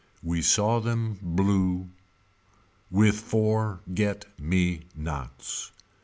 We saw them blue. With for get me nots.